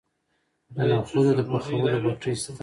د نخودو د پخولو بټۍ شته.